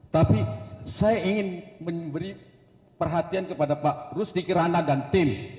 tapi saya ingin memberi perhatian kepada pak rusdi kirana dan tim